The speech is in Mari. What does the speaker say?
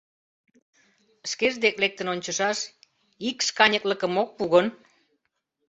Шкеж дек лектын ончышаш, ик шканьыклыкым ок пу гын?..